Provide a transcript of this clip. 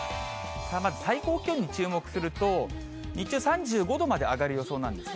まず最高気温に注目すると、日中３５度まで上がる予想なんです。